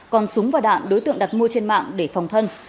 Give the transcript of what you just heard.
còn súng và đạn đối tượng đặt mua trên mạng để phòng thân